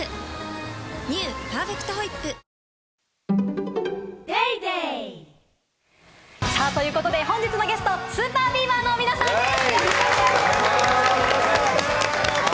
「パーフェクトホイップ」ということで本日のゲスト、ＳＵＰＥＲＢＥＡＶＥＲの皆さんです！